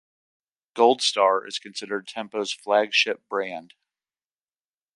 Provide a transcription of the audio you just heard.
Goldstar is considered Tempo's "flagship brand".